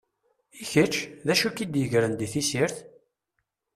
I kečč, d acu i k-id-igren di tessirt?